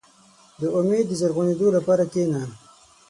• د امید د زرغونېدو لپاره کښېنه.